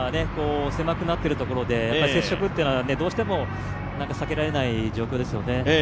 狭くなっているところで接触というのはどうしても避けられない状況ですよね。